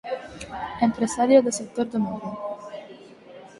Empresario do sector do moble.